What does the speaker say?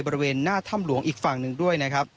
บริเวณหน้าถ้ำหลวงอีกฝั่งหนึ่งด้วยนะครับ